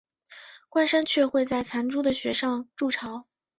冠山雀会在残株的穴上筑巢。